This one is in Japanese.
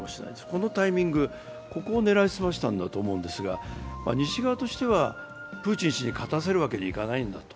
このタイミングを狙い澄ましたのかもしれませんが西側としてはプーチン氏に勝たせるわけにいかないんだと。